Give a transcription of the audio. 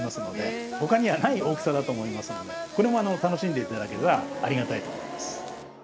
他にはない大きさだと思いますのでこれも楽しんでいただければありがたいと思います。